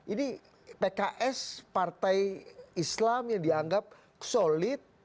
ini pks partai islam yang dianggap solid